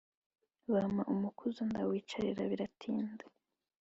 Bampa umukuzo ndawicarira biratinda